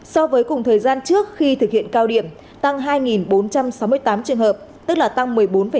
so với cùng thời gian trước khi thực hiện cao điểm tăng hai bốn trăm sáu mươi tám trường hợp tức là tăng một mươi bốn năm